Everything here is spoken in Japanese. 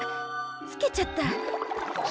つけちゃった。